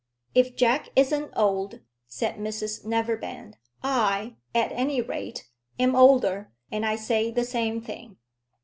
"If Jack isn't old," said Mrs Neverbend, "I, at any rate, am older, and I say the same thing."